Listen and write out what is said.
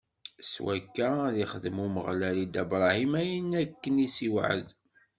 S wakka, ad ixdem Umeɣlal i Dda Bṛahim, ayen akken i s-iwɛed.